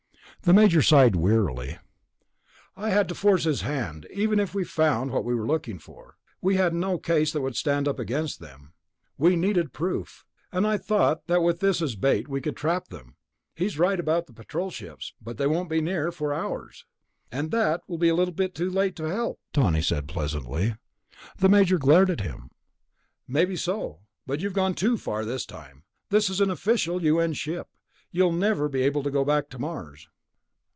The Major sighed wearily. "I had to try to force his hand. Even if we found what we were looking for, we had no case that could stand up against them. We needed proof ... and I thought that with this as bait we could trap them. He's right about the Patrol ships ... but they won't be near for hours." "And that will be a little late to help," Tawney said pleasantly. The Major glared at him. "Maybe so ... but you've gone too far this time. This is an official U.N. ship. You'll never be able to go back to Mars."